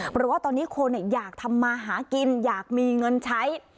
เพราะว่าตอนนี้คนอยากทำมาหากินอยากมีเงินใช้